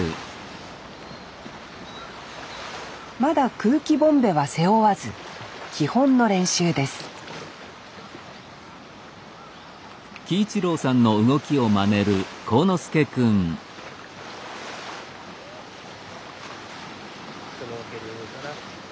まだ空気ボンベは背負わず基本の練習ですシュノーケルから。